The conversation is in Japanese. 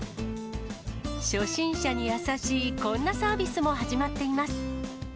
初心者に優しいこんなサービスも始まっています。